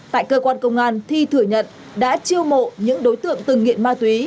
tại cơ quan công an thi thử nhận đã triêu mộ những đối tượng từng nghiện ma túy